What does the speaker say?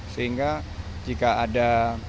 sehingga jika ada